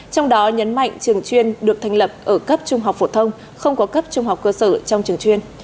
trong đó nhấn mạnh trường chuyên được thành lập ở cấp trung học phổ thông không có cấp trung học cơ sở trong trường chuyên